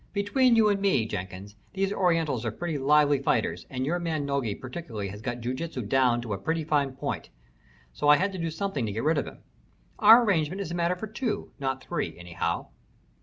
Between you and me, Jenkins, these Orientals are pretty lively fighters, and your man Nogi particularly has got jiu jitsu down to a pretty fine point, so I had to do something to get rid of him. Our arrangement is a matter for two, not three, anyhow."